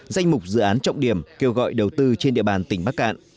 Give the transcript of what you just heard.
danh mục dự án trọng điểm kêu gọi đầu tư trên địa bàn tỉnh bắc cạn